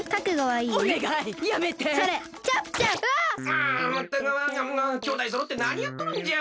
ああまったくきょうだいそろってなにやっとるんじゃ。